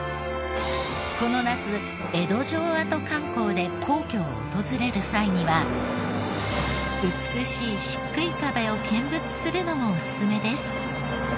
この夏江戸城跡観光で皇居を訪れる際には美しい漆喰壁を見物するのもオススメです。